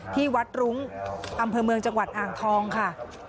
ที่วัดรุ้งอำเภอเมืองจังหวัดอ่างทองค่ะ